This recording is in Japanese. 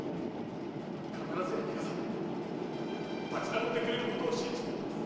必ずや目が覚め立ち直ってくれることを信じております。